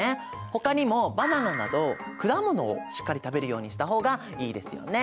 ほかにもバナナなど果物をしっかり食べるようにした方がいいですよね。